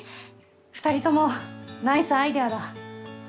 二人ともナイスアイデアだ。